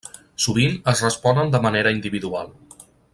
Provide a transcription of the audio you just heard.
Sovint es responen de manera individual.